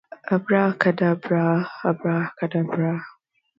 It was designed to be small, fast and agile to improve survivability and lethality.